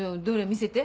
見せて。